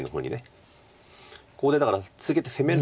ここでだから続けて攻めるのか。